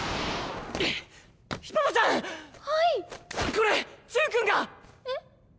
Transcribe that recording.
これチュンくんが！えっ？